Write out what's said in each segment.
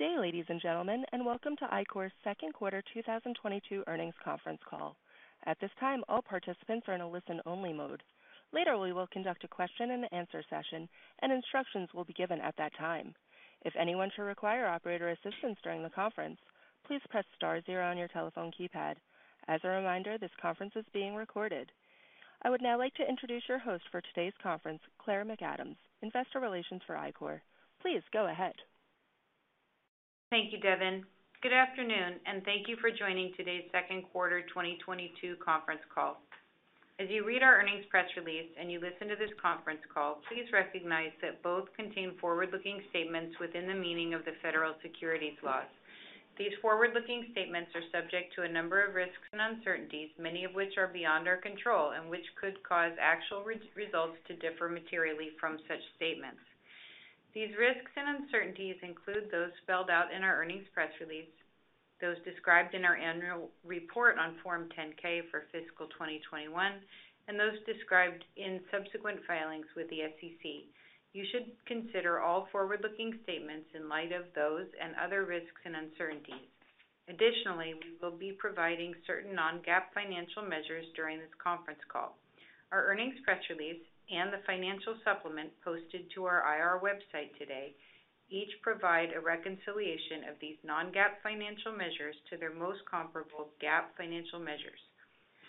Good day, ladies and gentlemen, and welcome to Ichor's second quarter 2022 earnings conference call. At this time, all participants are in a listen-only mode. Later, we will conduct a question-and-answer session and instructions will be given at that time. If anyone should require operator assistance during the conference, please press star zero on your telephone keypad. As a reminder, this conference is being recorded. I would now like to introduce your host for today's conference, Claire McAdams, Investor Relations for Ichor. Please go ahead. Thank you, Devin. Good afternoon, and thank you for joining today's second quarter 2022 conference call. As you read our earnings press release and you listen to this conference call, please recognize that both contain forward-looking statements within the meaning of the federal securities laws. These forward-looking statements are subject to a number of risks and uncertainties, many of which are beyond our control and which could cause actual results to differ materially from such statements. These risks and uncertainties include those spelled out in our earnings press release, those described in our annual report on Form 10-K for fiscal 2021, and those described in subsequent filings with the SEC. You should consider all forward-looking statements in light of those and other risks and uncertainties. Additionally, we will be providing certain non-GAAP financial measures during this conference call. Our earnings press release and the financial supplement posted to our IR website today each provide a reconciliation of these non-GAAP financial measures to their most comparable GAAP financial measures.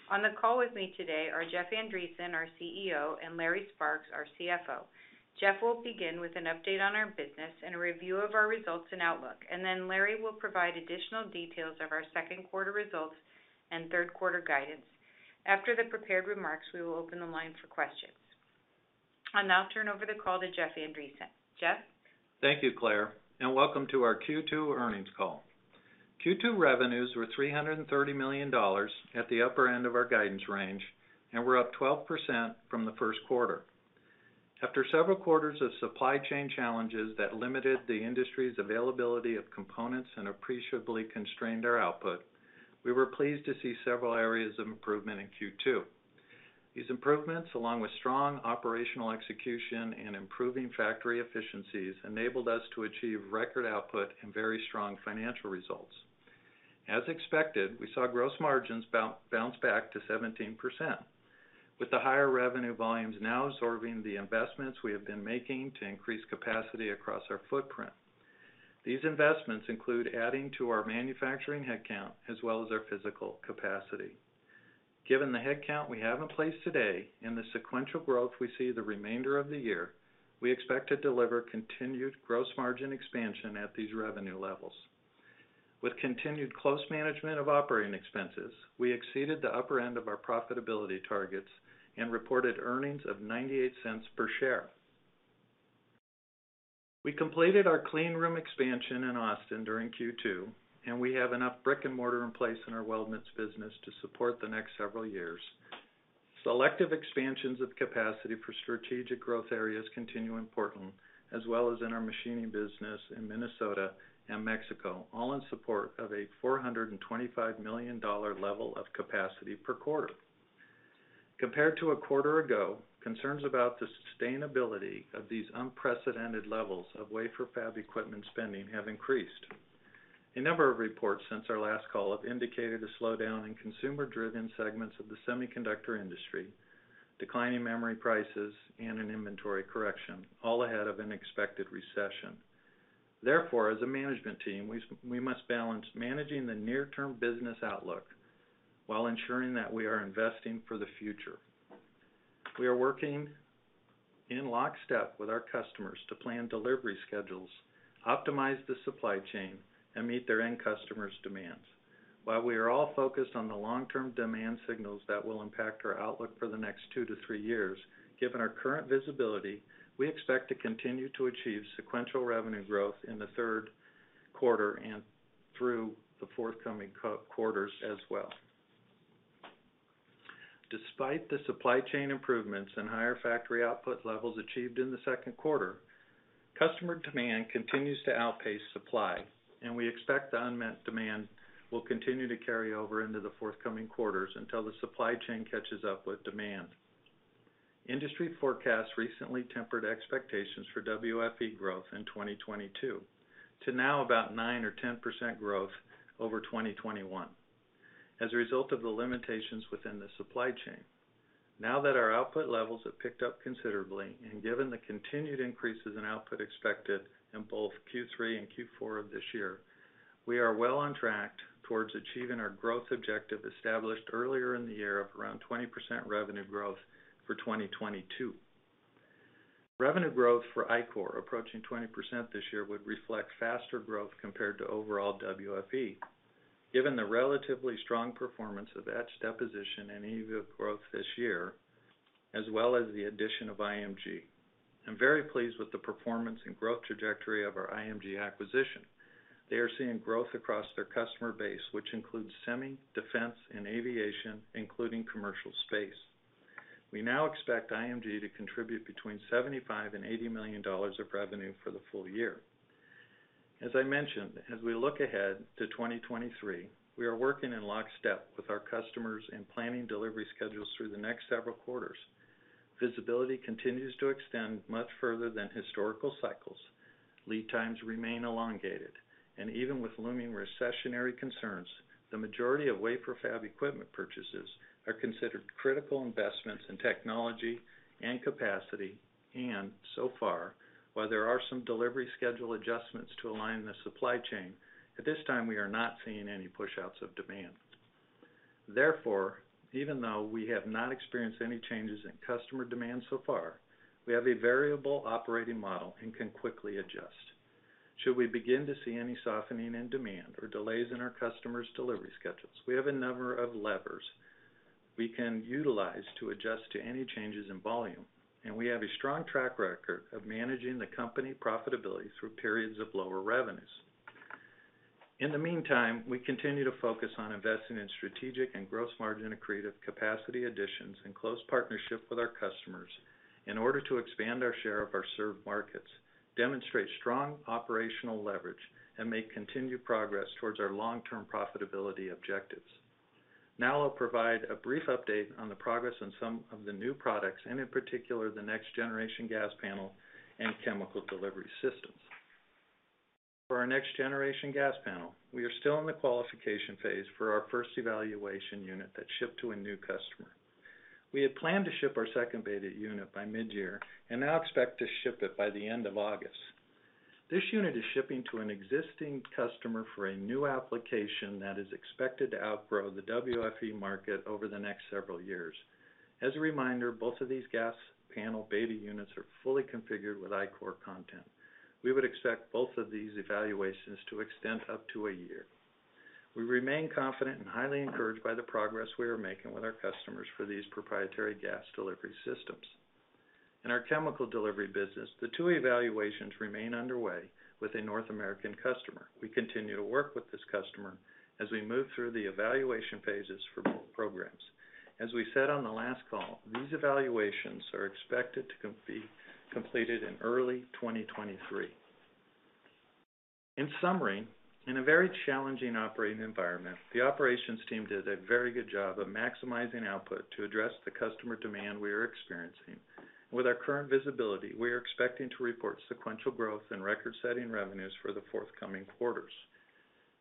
On the call with me today are Jeff Andreson, our CEO, and Larry Sparks, our CFO. Jeff will begin with an update on our business and a review of our results and outlook, and then Larry will provide additional details of our second quarter results and third quarter guidance. After the prepared remarks, we will open the line for questions. I'll now turn over the call to Jeff Andreson. Jeff? Thank you, Claire, and welcome to our Q2 earnings call. Q2 revenues were $330 million at the upper end of our guidance range, and we're up 12% from the first quarter. After several quarters of supply chain challenges that limited the industry's availability of components and appreciably constrained our output, we were pleased to see several areas of improvement in Q2. These improvements, along with strong operational execution and improving factory efficiencies enabled us to achieve record output and very strong financial results. As expected, we saw gross margins bounce back to 17% with the higher revenue volumes now absorbing the investments we have been making to increase capacity across our footprint. These investments include adding to our manufacturing headcount as well as our physical capacity. Given the headcount we have in place today and the sequential growth we see the remainder of the year, we expect to deliver continued gross margin expansion at these revenue levels. With continued close management of operating expenses, we exceeded the upper end of our profitability targets and reported earnings of $0.98 per share. We completed our clean room expansion in Austin during Q2 and we have enough brick-and-mortar in place in our weldments business to support the next several years. Selective expansions of capacity for strategic growth areas continue in Portland, as well as in our machining business in Minnesota and Mexico, all in support of a $425 million level of capacity per quarter. Compared to a quarter ago, concerns about the sustainability of these unprecedented levels of wafer fab equipment spending have increased. A number of reports since our last call have indicated a slowdown in consumer-driven segments of the semiconductor industry, declining memory prices, and an inventory correction, all ahead of an expected recession. Therefore, as a management team, we must balance managing the near-term business outlook while ensuring that we are investing for the future. We are working in lockstep with our customers to plan delivery schedules, optimize the supply chain, and meet their end customers' demands. While we are all focused on the long-term demand signals that will impact our outlook for the next 2-3 years, given our current visibility, we expect to continue to achieve sequential revenue growth in the third quarter and through the forthcoming quarters as well. Despite the supply chain improvements and higher factory output levels achieved in the second quarter, customer demand continues to outpace supply, and we expect the unmet demand will continue to carry over into the forthcoming quarters until the supply chain catches up with demand. Industry forecasts recently tempered expectations for WFE growth in 2022 to now about 9% or 10% growth over 2021 as a result of the limitations within the supply chain. Now that our output levels have picked up considerably, and given the continued increases in output expected in both Q3 and Q4 of this year, we are well on track towards achieving our growth objective established earlier in the year of around 20% revenue growth for 2022. Revenue growth for Ichor approaching 20% this year would reflect faster growth compared to overall WFE, given the relatively strong performance of etch deposition and EUV growth this year, as well as the addition of IMG. I'm very pleased with the performance and growth trajectory of our IMG acquisition. They are seeing growth across their customer base, which includes semi, defense, and aviation, including commercial space. We now expect IMG to contribute between $75 million and $80 million of revenue for the full year. As I mentioned, as we look ahead to 2023, we are working in lockstep with our customers in planning delivery schedules through the next several quarters. Visibility continues to extend much further than historical cycles. Lead times remain elongated. Even with looming recessionary concerns, the majority of wafer fab equipment purchases are considered critical investments in technology and capacity. So far, while there are some delivery schedule adjustments to align the supply chain, at this time, we are not seeing any pushouts of demand. Therefore, even though we have not experienced any changes in customer demand so far, we have a variable operating model and can quickly adjust should we begin to see any softening in demand or delays in our customers delivery schedules. We have a number of levers we can utilize to adjust to any changes in volume, and we have a strong track record of managing the company profitability through periods of lower revenues. In the meantime, we continue to focus on investing in strategic and gross margin accretive capacity additions in close partnership with our customers in order to expand our share of our served markets, demonstrate strong operational leverage and make continued progress towards our long-term profitability objectives. Now I'll provide a brief update on the progress on some of the new products and in particular, the next-generation gas panel and chemical delivery systems. For our next-generation gas panel, we are still in the qualification phase for our first evaluation unit that shipped to a new customer. We had planned to ship our second beta unit by mid-year and now expect to ship it by the end of August. This unit is shipping to an existing customer for a new application that is expected to outgrow the WFE market over the next several years. As a reminder, both of these gas panel beta units are fully configured with Ichor content. We would expect both of these evaluations to extend up to a year. We remain confident and highly encouraged by the progress we are making with our customers for these proprietary gas delivery systems. In our chemical delivery business, the two evaluations remain underway with a North American customer. We continue to work with this customer as we move through the evaluation phases for both programs. As we said on the last call, these evaluations are expected to be completed in early 2023. In summary, in a very challenging operating environment, the operations team did a very good job of maximizing output to address the customer demand we are experiencing. With our current visibility, we are expecting to report sequential growth and record-setting revenues for the forthcoming quarters.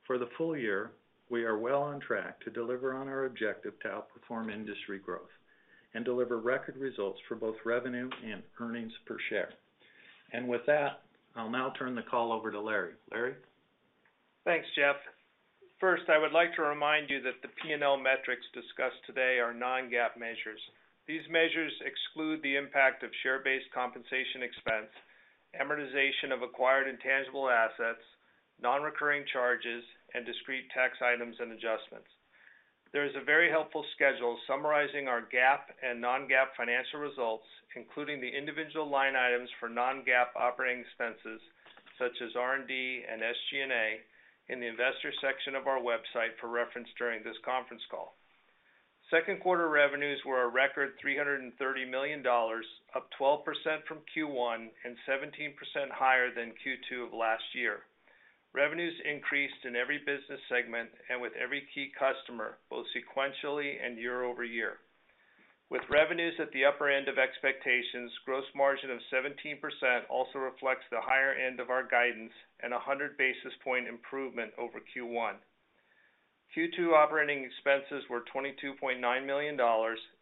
For the full year, we are well on track to deliver on our objective to outperform industry growth and deliver record results for both revenue and earnings per share. With that, I'll now turn the call over to Larry. Larry? Thanks, Jeff. First, I would like to remind you that the P&L metrics discussed today are non-GAAP measures. These measures exclude the impact of share-based compensation expense, amortization of acquired intangible assets, non-recurring charges and discrete tax items and adjustments. There is a very helpful schedule summarizing our GAAP and non-GAAP financial results, including the individual line items for non-GAAP operating expenses such as R&D and SG&A in the Investor section of our website for reference during this conference call. Second quarter revenues were a record $330 million, up 12% from Q1 and 17% higher than Q2 of last year. Revenues increased in every business segment and with every key customer, both sequentially and year-over-year. With revenues at the upper end of expectations, gross margin of 17% also reflects the higher end of our guidance and 100 basis points improvement over Q1. Q2 operating expenses were $22.9 million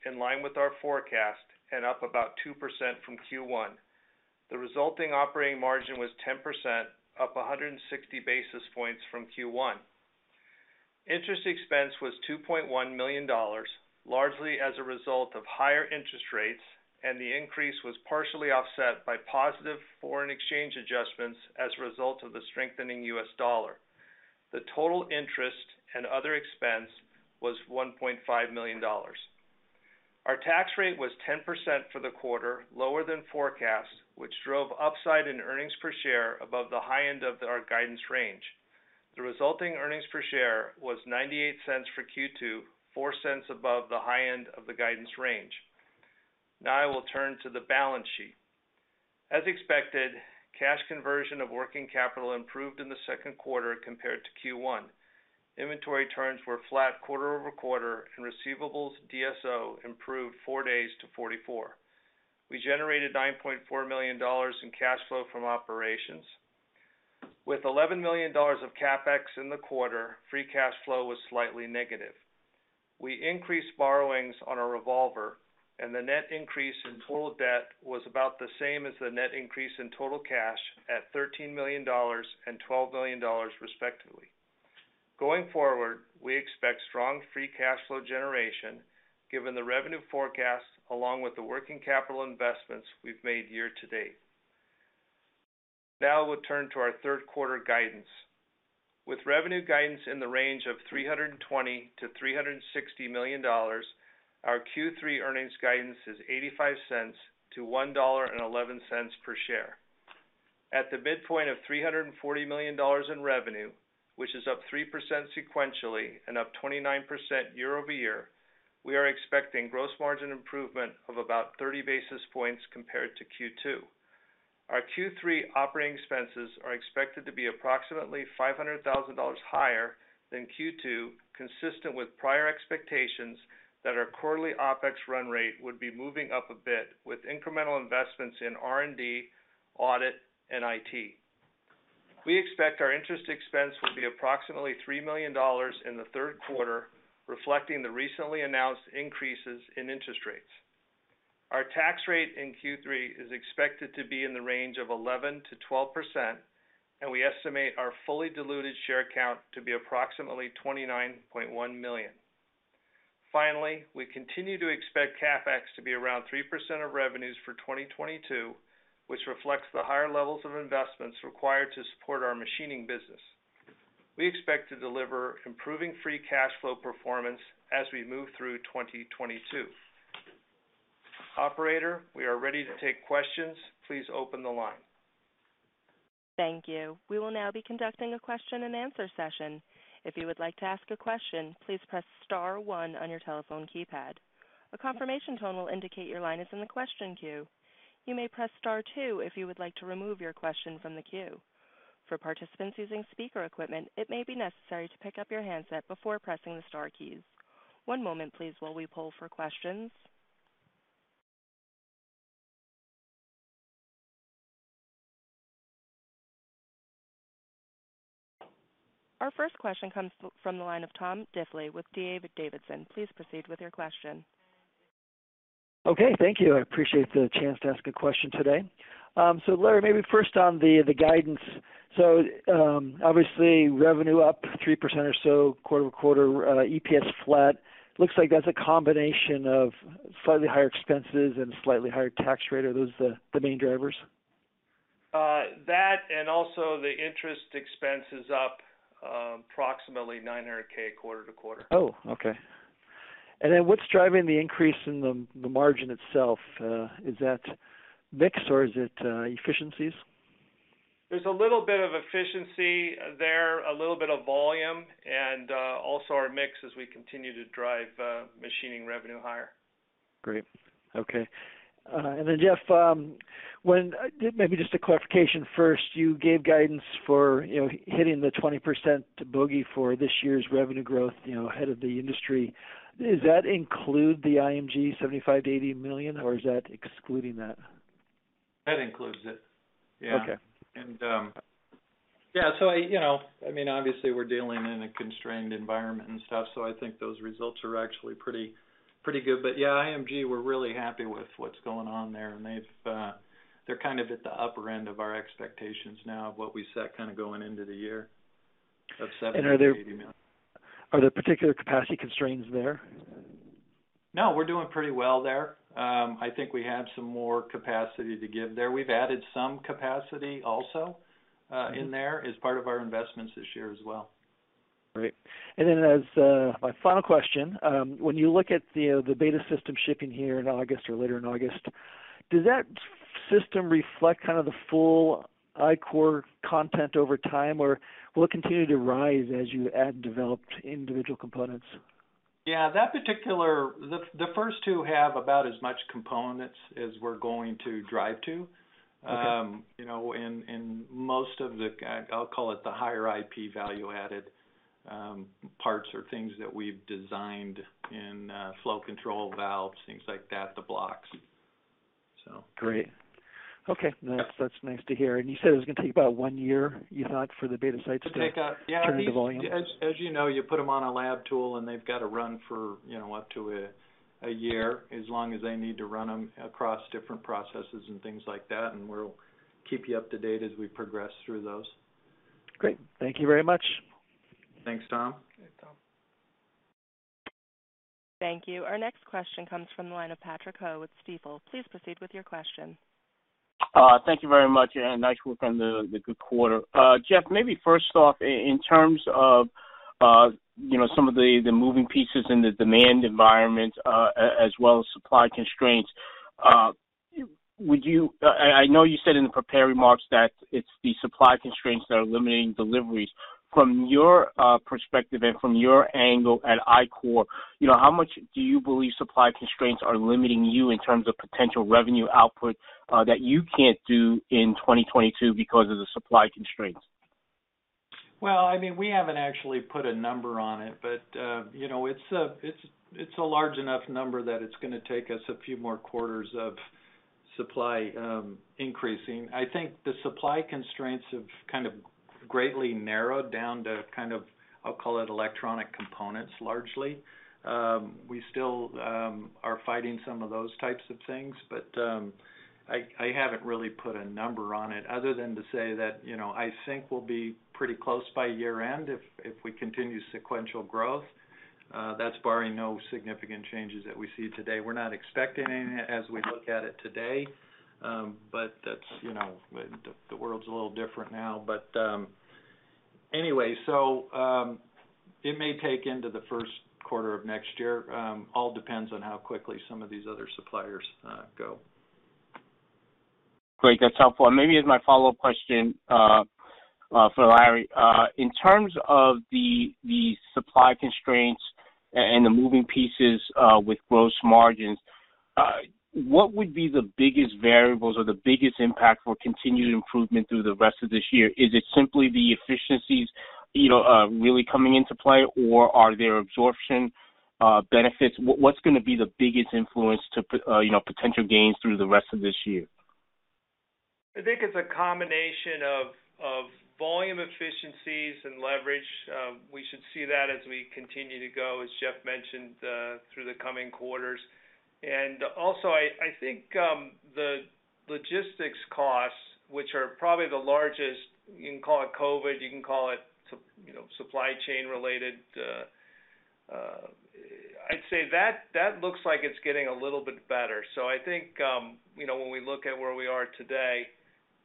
in line with our forecast and up about 2% from Q1. The resulting operating margin was 10%, up 160 basis points from Q1. Interest expense was $2.1 million, largely as a result of higher interest rates, and the increase was partially offset by positive foreign exchange adjustments as a result of the strengthening U.S. dollar. The total interest and other expense was $1.5 million. Our tax rate was 10% for the quarter, lower than forecast, which drove upside in earnings per share above the high end of our guidance range. The resulting earnings per share was $0.98 for Q2, $0.04 above the high end of the guidance range. Now I will turn to the balance sheet. As expected, cash conversion of working capital improved in the second quarter compared to Q1. Inventory turns were flat quarter-over-quarter, and receivables DSO improved four days to 44. We generated $9.4 million in cash flow from operations. With $11 million of CapEx in the quarter, free cash flow was slightly negative. We increased borrowings on our revolver and the net increase in total debt was about the same as the net increase in total cash at $13 million and $12 million, respectively. Going forward, we expect strong free cash flow generation given the revenue forecast along with the working capital investments we've made year to date. Now we'll turn to our third quarter guidance. With revenue guidance in the range of $320 million-$360 million, our Q3 earnings guidance is $0.85-$1.11 per share. At the midpoint of $340 million in revenue, which is up 3% sequentially and up 29% year-over-year, we are expecting gross margin improvement of about 30 basis points compared to Q2. Our Q3 operating expenses are expected to be approximately $500,000 higher than Q2, consistent with prior expectations that our quarterly OpEx run rate would be moving up a bit with incremental investments in R&D, audit, and IT. We expect our interest expense will be approximately $3 million in the third quarter, reflecting the recently announced increases in interest rates. Our tax rate in Q3 is expected to be in the range of 11%-12%, and we estimate our fully diluted share count to be approximately 29.1 million. Finally, we continue to expect CapEx to be around 3% of revenues for 2022, which reflects the higher levels of investments required to support our machining business. We expect to deliver improving free cash flow performance as we move through 2022. Operator, we are ready to take questions. Please open the line. Thank you. We will now be conducting a question-and-answer session. If you would like to ask a question, please press star one on your telephone keypad. A confirmation tone will indicate your line is in the question queue. You may press star two if you would like to remove your question from the queue. For participants using speaker equipment, it may be necessary to pick up your handset before pressing the star keys. One moment please while we poll for questions. Our first question comes from the line of Tom Diffely with D.A. Davidson. Please proceed with your question. Okay, thank you. I appreciate the chance to ask a question today. Larry, maybe first on the guidance. Obviously revenue up 3% or so quarter-over-quarter, EPS flat. Looks like that's a combination of slightly higher expenses and slightly higher tax rate. Are those the main drivers? That and also the interest expense is up approximately $900,000 quarter-to-quarter. Oh, okay. What's driving the increase in the margin itself? Is that mix or is it efficiencies? There's a little bit of efficiency there, a little bit of volume, and, also our mix as we continue to drive, machining revenue higher. Jeff, maybe just a clarification first. You gave guidance for, you know, hitting the 20% bogey for this year's revenue growth, you know, ahead of the industry. Does that include the IMG $75 million-$80 million, or is that excluding that? That includes it. Yeah. Okay. Yeah, so I, you know, I mean, obviously we're dealing in a constrained environment and stuff, so I think those results are actually pretty good. Yeah, IMG, we're really happy with what's going on there, and they're kind of at the upper end of our expectations now of what we set kind of going into the year of $70 million-$80 million. Are there particular capacity constraints there? No, we're doing pretty well there. I think we have some more capacity to give there. We've added some capacity also. Mm-hmm. in there as part of our investments this year as well. Great. As my final question, when you look at the beta system shipping here in August or later in August, does that system reflect kind of the full Ichor content over time, or will it continue to rise as you add and develop individual components? The first two have about as many components as we're going to drive to. Okay. You know, in most of the higher IP value-added parts or things that we've designed in, flow control valves, things like that, the blocks. So. Great. Okay. That's nice to hear. You said it was gonna take about one year, you thought, for the beta sites to turn the volume. As you know, you put them on a lab tool and they've got to run for, you know, up to a year, as long as they need to run them across different processes and things like that. We'll keep you up to date as we progress through those. Great. Thank you very much. Thanks, Tom. Thanks, Tom. Thank you. Our next question comes from the line of Patrick Ho with Stifel. Please proceed with your question. Thank you very much, and nice work on the good quarter. Jeff, maybe first off, in terms of, you know, some of the moving pieces in the demand environment, as well as supply constraints, I know you said in the prepared remarks that it's the supply constraints that are limiting deliveries. From your perspective and from your angle at Ichor, you know, how much do you believe supply constraints are limiting you in terms of potential revenue output, that you can't do in 2022 because of the supply constraints? Well, I mean, we haven't actually put a number on it, but you know, it's a large enough number that it's gonna take us a few more quarters of supply increasing. I think the supply constraints have kind of greatly narrowed down to kind of, I'll call it electronic components largely. We still are fighting some of those types of things, but I haven't really put a number on it other than to say that, you know, I think we'll be pretty close by year-end if we continue sequential growth. That's barring no significant changes that we see today. We're not expecting any as we look at it today. That's, you know, the world's a little different now. Anyway, it may take into the first quarter of next year. All depends on how quickly some of these other suppliers go. Great. That's helpful. Maybe as my follow-up question, for Larry. In terms of the supply constraints and the moving pieces with gross margins, what would be the biggest variables or the biggest impact for continued improvement through the rest of this year? Is it simply the efficiencies, you know, really coming into play, or are there absorption benefits? What's gonna be the biggest influence to, you know, potential gains through the rest of this year? I think it's a combination of volume efficiencies and leverage. We should see that as we continue to go, as Jeff mentioned, through the coming quarters. I think the logistics costs, which are probably the largest, you can call it COVID, you can call it supply chain related, I'd say that looks like it's getting a little bit better. I think you know, when we look at where we are today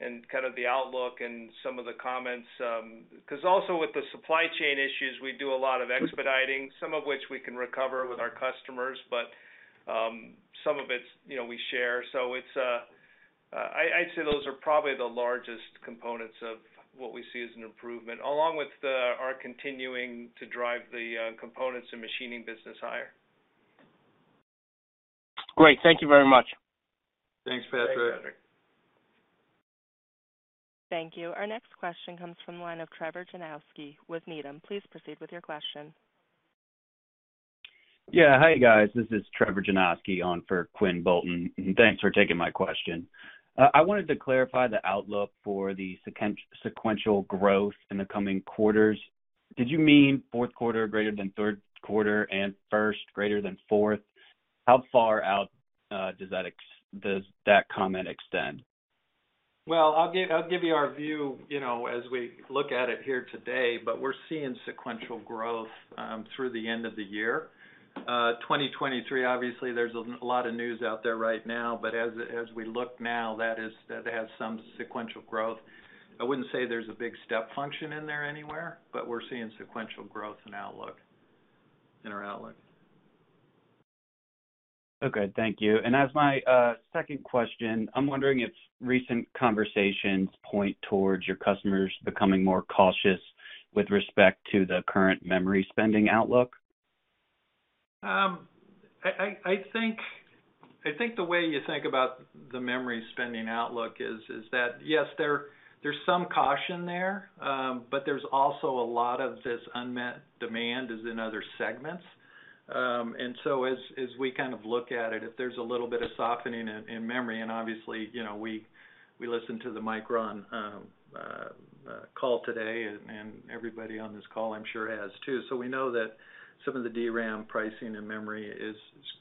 and kind of the outlook and some of the comments. Because also with the supply chain issues, we do a lot of expediting, some of which we can recover with our customers, but some of it's, you know, we share. It's, I'd say those are probably the largest components of what we see as an improvement, along with our continuing to drive the components and machining business higher. Great. Thank you very much. Thanks, Patrick. Thanks, Patrick. Thank you. Our next question comes from the line of Trevor Janoskie with Needham. Please proceed with your question. Yeah. Hi, guys. This is Trevor Janoskie on for Quinn Bolton, and thanks for taking my question. I wanted to clarify the outlook for the sequential growth in the coming quarters. Did you mean fourth quarter greater than third quarter and first greater than fourth? How far out does that comment extend? I'll give you our view, you know, as we look at it here today, but we're seeing sequential growth through the end of the year. 2023, obviously, there's a lot of news out there right now, but as we look now, that has some sequential growth. I wouldn't say there's a big step function in there anywhere, but we're seeing sequential growth in our outlook. Okay. Thank you. As my second question, I'm wondering if recent conversations point towards your customers becoming more cautious with respect to the current memory spending outlook? I think the way you think about the memory spending outlook is that yes, there's some caution there, but there's also a lot of this unmet demand as in other segments. As we kind of look at it, if there's a little bit of softening in memory, and obviously, you know, we listen to the Micron call today, and everybody on this call I'm sure has too. We know that some of the DRAM pricing and memory is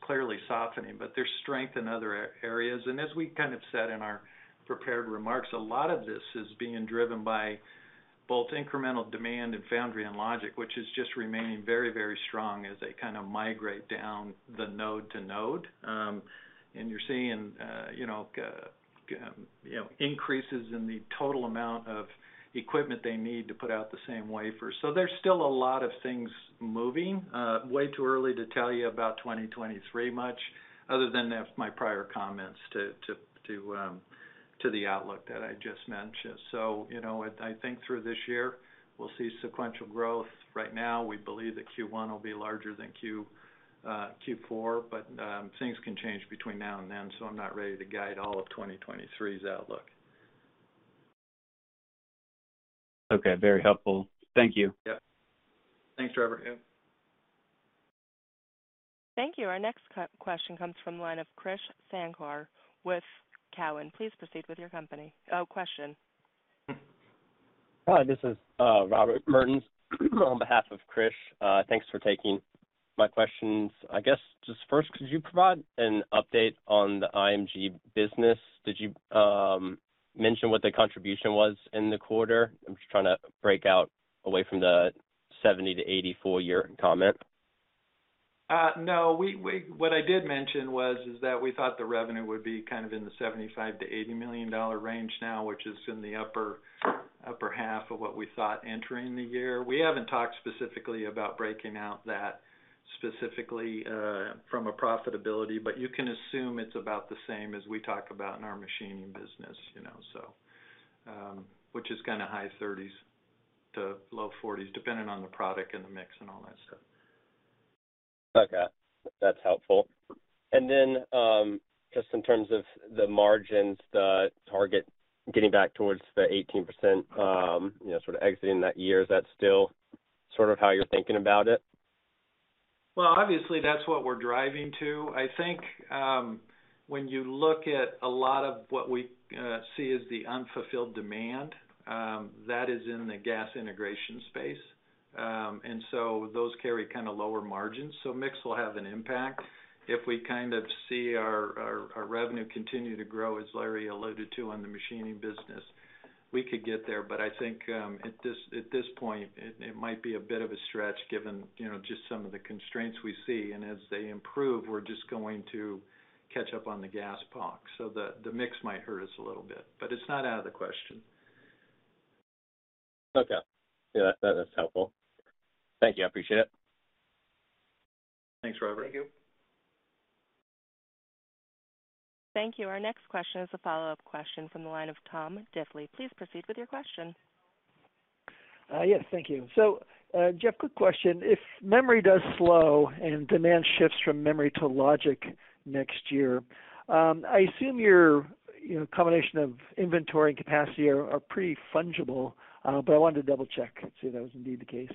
clearly softening, but there's strength in other areas. As we kind of said in our prepared remarks, a lot of this is being driven by both incremental demand in foundry and logic, which is just remaining very strong as they kind of migrate down the node to node. You're seeing, you know, increases in the total amount of equipment they need to put out the same wafer. There's still a lot of things moving. Way too early to tell you about 2023 much other than my prior comments to the outlook that I just mentioned. You know, I think through this year, we'll see sequential growth. Right now, we believe that Q1 will be larger than Q4, but things can change between now and then, so I'm not ready to guide all of 2023's outlook. Okay. Very helpful. Thank you. Yeah. Thanks, Trevor. Yeah. Thank you. Our next question comes from the line of Krish Sankar with Cowen. Please proceed with your company question. Hi, this is Robert Mertens on behalf of Krish. Thanks for taking my questions. I guess just first, could you provide an update on the IMG business? Did you mention what the contribution was in the quarter? I'm just trying to break it out from the $70 million-$80 million full-year comment. No. What I did mention was that we thought the revenue would be kind of in the $75 million-$80 million range now, which is in the upper half of what we thought entering the year. We haven't talked specifically about breaking out that specifically from a profitability, but you can assume it's about the same as we talk about in our machining business, you know. Which is kind of high 30s% to low 40s%, depending on the product and the mix and all that stuff. Okay. That's helpful. Just in terms of the margins, the target getting back towards the 18%, you know, sort of exiting that year, is that still sort of how you're thinking about it? Well, obviously that's what we're driving to. I think, when you look at a lot of what we see as the unfulfilled demand, that is in the gas integration space. Those carry kind of lower margins, so mix will have an impact. If we kind of see our revenue continue to grow, as Larry alluded to on the machining business, we could get there. I think, at this point, it might be a bit of a stretch given, you know, just some of the constraints we see. As they improve, we're just going to catch up on the gas POC. The mix might hurt us a little bit, but it's not out of the question. Okay. Yeah, that's helpful. Thank you. I appreciate it. Thanks, Robert. Thank you. Thank you. Our next question is a follow-up question from the line of Tom Diffely. Please proceed with your question. Yes, thank you. Jeff, quick question. If memory does slow and demand shifts from memory to logic next year, I assume your, you know, combination of inventory and capacity are pretty fungible, but I wanted to double-check and see if that was indeed the case.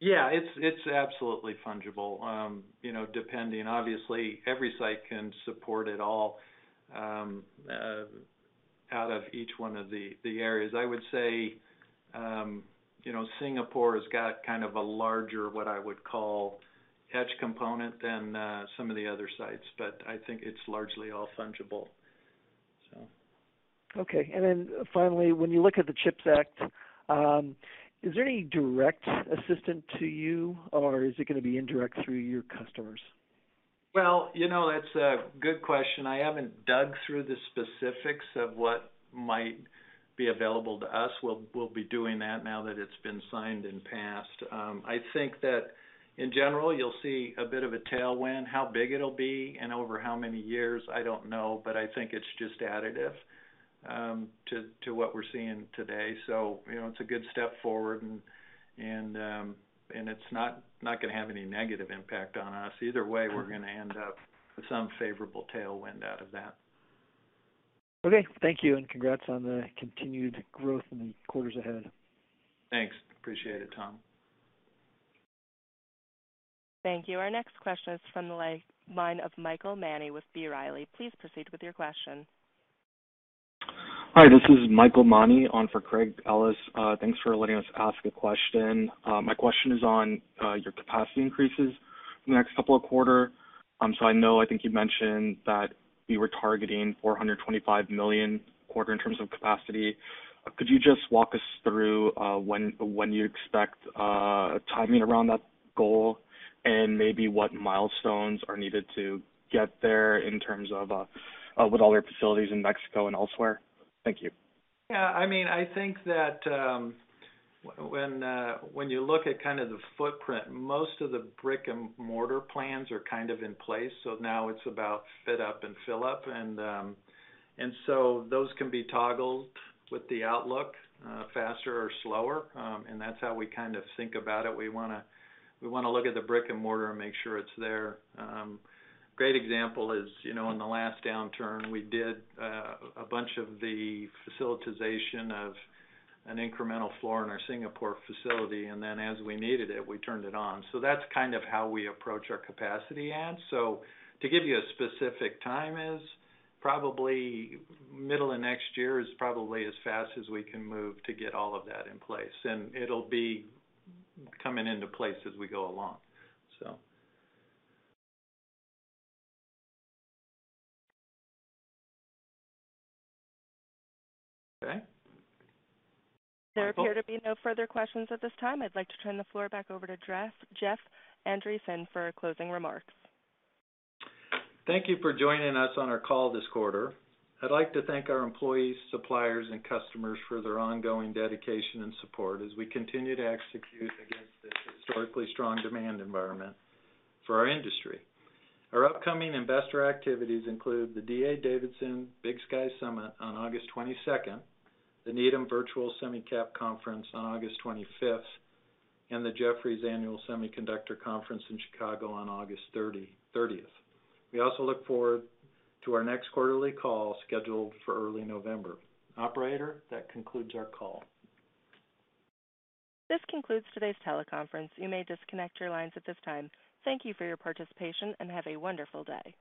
Yeah, it's absolutely fungible. You know, depending. Obviously, every site can support it all out of each one of the areas. I would say, you know, Singapore has got kind of a larger, what I would call, edge component than some of the other sites, but I think it's largely all fungible, so. Okay. Finally, when you look at the CHIPS Act, is there any direct assistance to you, or is it gonna be indirect through your customers? Well, you know, that's a good question. I haven't dug through the specifics of what might be available to us. We'll be doing that now that it's been signed and passed. I think that in general, you'll see a bit of a tailwind. How big it'll be and over how many years, I don't know. I think it's just additive to what we're seeing today. You know, it's a good step forward and it's not gonna have any negative impact on us. Either way, we're gonna end up with some favorable tailwind out of that. Okay. Thank you, and congrats on the continued growth in the quarters ahead. Thanks. Appreciate it, Tom. Thank you. Our next question is from the line of Michael Mani with B. Riley. Please proceed with your question. Hi, this is Michael Mani on for Craig Ellis. Thanks for letting us ask a question. My question is on your capacity increases in the next couple of quarters. So I know I think you mentioned that you were targeting $425 million quarter in terms of capacity. Could you just walk us through when you expect timing around that goal and maybe what milestones are needed to get there in terms of with all your facilities in Mexico and elsewhere? Thank you. Yeah, I mean, I think that when you look at kind of the footprint, most of the brick-and-mortar plans are kind of in place, so now it's about fit up and fill up. Those can be toggled with the outlook, faster or slower, and that's how we kind of think about it. We wanna look at the brick and mortar and make sure it's there. Great example is, you know, in the last downturn, we did a bunch of the facilitation of an incremental floor in our Singapore facility, and then as we needed it, we turned it on. That's kind of how we approach our capacity adds. To give you a specific time is probably middle of next year is probably as fast as we can move to get all of that in place, and it'll be coming into place as we go along, so. Okay. There appear to be no further questions at this time. I'd like to turn the floor back over to Jeff Andreson for closing remarks. Thank you for joining us on our call this quarter. I'd like to thank our employees, suppliers, and customers for their ongoing dedication and support as we continue to execute against this historically strong demand environment for our industry. Our upcoming investor activities include the D.A. Davidson Big Sky Summit on August 22nd, the Needham Virtual Semi Cap Conference on August 25th, and the Jefferies Annual Semiconductor Conference in Chicago on August 30th. We also look forward to our next quarterly call scheduled for early November. Operator, that concludes our call. This concludes today's teleconference. You may disconnect your lines at this time. Thank you for your participation, and have a wonderful day.